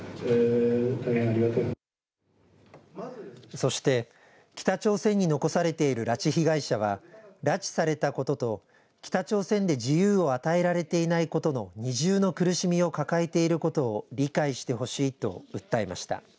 そして北朝鮮に残されている拉致被害者は拉致されたことと北朝鮮で自由を与えられていないことの二重の苦しみを抱えていることを理解してほしいと訴えました。